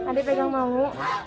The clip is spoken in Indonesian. ade pegang mau